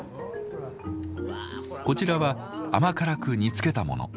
こちらは甘辛く煮つけたもの。